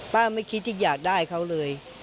ไม่คิดที่อยากได้เขาเลย